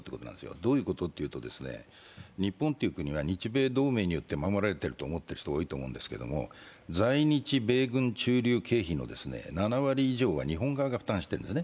どういうことかというと日本という国は日米同盟によって守られていると思っている人が多いと思うんですけど、在日米軍駐留経費の７割以上は日本側が負担しているんですね。